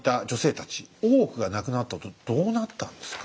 大奥がなくなったあとどうなったんですか？